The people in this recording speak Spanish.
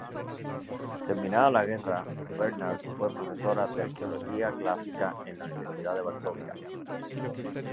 Terminada la guerra, Bernhard fue profesora de arqueología clásica en la Universidad de Varsovia.